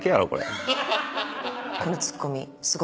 このツッコミ。